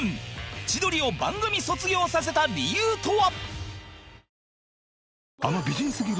千鳥を番組卒業させた理由とは？